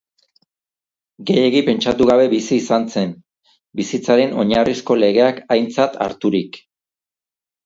Gehiegi pentsatu gabe bizi izan zen, bizitzaren oinarrizko legeak aintzat harturik.